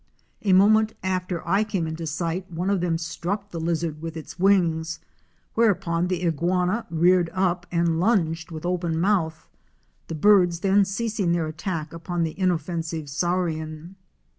A moment after I came into sight one of them struck the lizard with Fic. 131. Acouti. (Photo by Sanborn.) its wings, whereupon the iguana reared up and lunged with open mouth, the birds then ceasing their attack upon the inoffensive saurian.